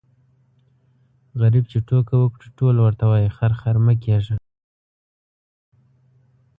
غريب چي ټوکه وکړي ټول ورته وايي خر خر مه کېږه.